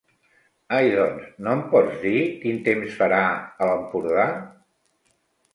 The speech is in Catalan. Ai doncs no em pots dir quin temps farà a l'Empordà?